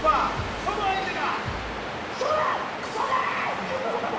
その相手が。